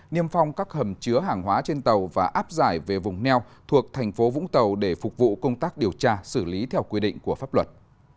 niêm phong các hầm chứa hàng hóa trên tàu và áp giải về vùng neo thuộc thành phố vũng tàu để phục vụ công tác điều tra xử lý theo quy định của pháp luật